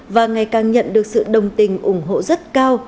và ngày càng nhận được sự đồng tình ủng hộ rất cao